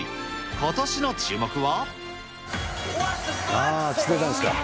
ことしの注目は？